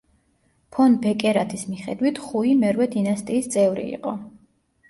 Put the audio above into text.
ფონ ბეკერათის მიხედვით ხუი მერვე დინასტიის წევრი იყო.